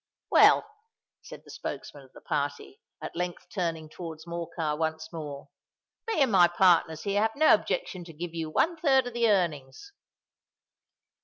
"Well," said the spokesman of the party, at length turning towards Morcar once more, "me and my partners here have no objection to give you one third of the earnings."